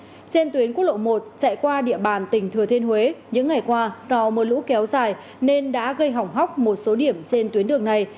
trên tuyến quốc lộ một chạy qua địa bàn tỉnh thừa thiên huế những ngày qua do mưa lũ kéo dài nên đã gây hỏng hóc một số điểm trên tuyến đường này